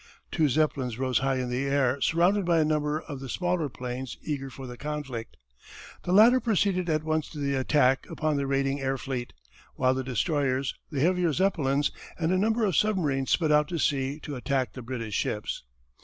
Two Zeppelins rose high in the air surrounded by a number of the smaller airplanes, eager for the conflict. The latter proceeded at once to the attack upon the raiding air fleet, while the destroyers, the heavier Zeppelins, and a number of submarines sped out to sea to attack the British ships.